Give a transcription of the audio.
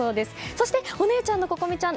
そしてお姉ちゃんの心実ちゃん